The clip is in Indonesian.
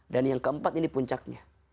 dan yang keempat ini puncaknya